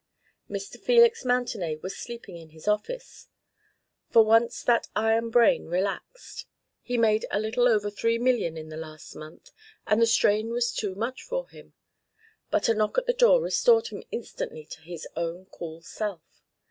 Mr. Felix Mountenay was sleeping in his office. For once that iron brain relaxed. He had made a little over three million in the last month and the strain was too much for him. But a knock at the door restored him instantly to his own cool self.